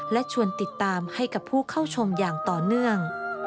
และชวนติดตามให้กับผู้เข้าชมอย่างต่อเนื่อง